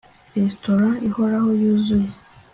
Restaurant ihora yuzuye